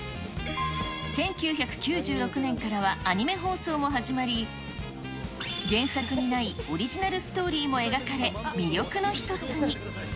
１９９６年からはアニメ放送も始まり、原作にないオリジナルストーリーも描かれ、魅力の一つに。